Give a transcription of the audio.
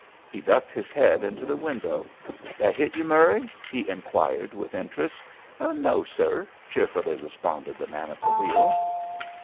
He ducked his head into the window. "That hit you, Murry?" he inquired with interest. "No, sir," cheerfully responded the man at the wheel.